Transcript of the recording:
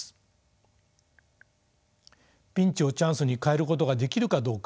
ピンチをチャンスに変えることができるかどうか。